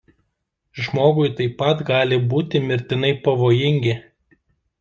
Žmogui taip pat gali būti mirtinai pavojingi.